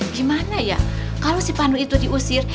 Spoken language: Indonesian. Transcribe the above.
gimana ya kalo si pandu itu diusir